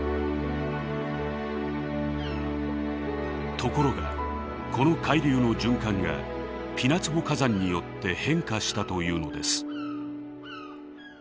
ところがこの海流の循環がピナツボ火山によって変化したというのです。